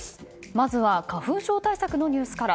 まずは花粉症対策のニュースから。